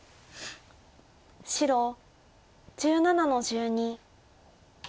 白１７の十二。